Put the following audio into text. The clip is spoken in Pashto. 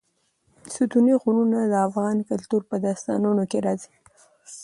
ستوني غرونه د افغان کلتور په داستانونو کې راځي.